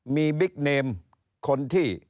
มีบิ๊กเนมคนที่